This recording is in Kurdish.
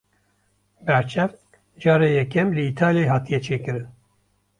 Berçavk cara yekem li Îtalyayê hatiye çêkirin.